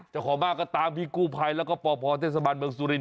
จะขอบ้างก็ตามพี่กูภัยแล้วก็พ่อเต้นสะบันเมืองสุรินทร์